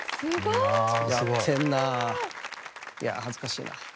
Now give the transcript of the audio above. いや恥ずかしいな。